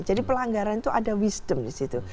jadi pelanggaran itu ada wisdom disitu